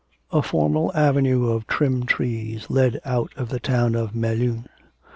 A formal avenue of trim trees led out of the town of Melun.